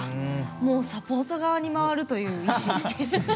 もうサポート側に回るという意思。